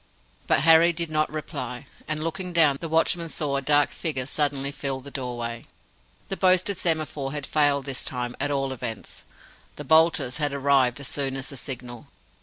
But Harry did not reply, and, looking down, the watchman saw a dark figure suddenly fill the doorway. The boasted semaphore had failed this time, at all events. The "bolters" had arrived as soon as the signal!